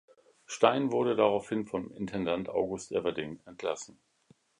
Stein wurde daraufhin von Intendant August Everding entlassen.